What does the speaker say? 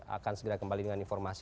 akan segera kembali dengan informasi